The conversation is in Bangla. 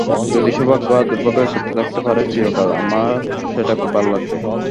যদি সৌভাগ্য আর দুর্ভাগ্য একত্রে থাকতে পারে চিরকাল, আমার সেটা খুব ভালো লাগবে।